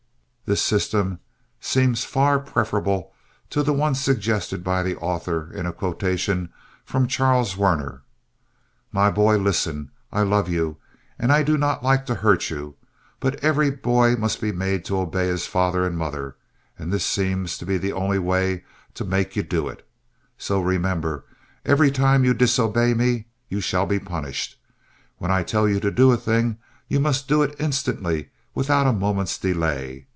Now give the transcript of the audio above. This system seems far preferable to the one suggested by the author in a quotation from Charles Werner: "My boy, listen: I love you and I do not like to hurt you. But every boy must be made to obey his father and mother, and this seems to be the only way to make you do it. So remember! Every time you disobey me you shall be punished. When I tell you to do a thing, you must do it instantly without a moment's delay.